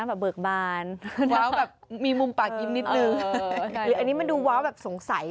มันบ้าใสไปหรือยังไง